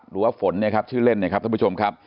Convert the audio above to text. หรือว่าฝนเนี่ยครับชื่อเล่นนะครับท่านผู้ชมครับ